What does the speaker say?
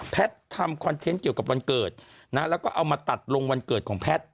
ทำคอนเทนต์เกี่ยวกับวันเกิดนะแล้วก็เอามาตัดลงวันเกิดของแพทย์